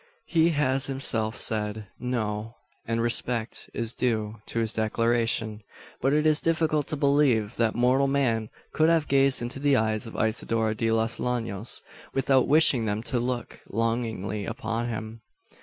He has himself said, No; and respect is due to his declaration. But it is difficult to believe, that mortal man could have gazed into the eyes of Isidora de los Llanos without wishing them to look longingly upon him.